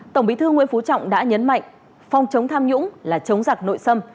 tổng bí thư nguyễn phú trọng đã nhấn mạnh phòng chống tham nhũng là chống giặc nội xâm